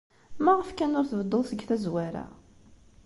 Maɣef kan ur tbedduḍ seg tazwara?